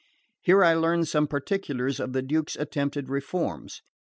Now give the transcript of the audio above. Here I learned some particulars of the Duke's attempted reforms.